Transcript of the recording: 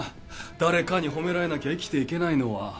誰かに褒められなきゃ生きていけないのは。